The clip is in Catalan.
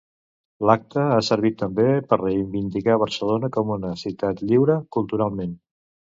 L'acte ha servit també per reivindicar Barcelona com a una "ciutat lliure" culturalment.